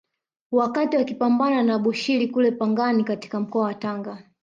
Wakati wakipambana na Abushiri kule Pangani katika mkoa wa Tanga